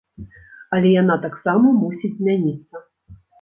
Але яна таксама мусіць змяніцца.